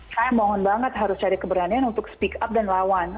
saya mohon banget harus cari keberanian untuk speak up dan lawan